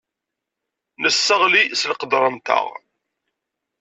Nesseɣli s leqder-nteɣ.